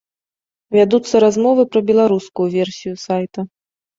Вядуцца размовы пра беларускую версію сайта.